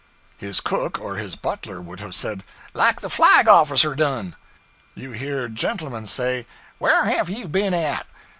His cook or his butler would have said, 'Like the flag officer done.' You hear gentlemen say, 'Where have you been at?'